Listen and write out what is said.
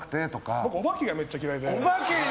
僕、お化けがめっちゃ嫌いで。